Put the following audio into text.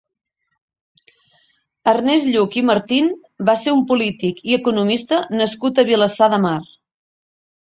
Ernest Lluch i Martín va ser un politic i economista nascut a Vilassar de Mar.